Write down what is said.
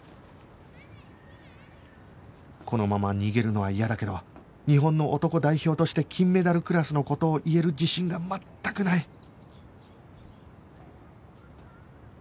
このまま逃げるのは嫌だけど日本の男代表として金メダルクラスの事を言える自信が全くない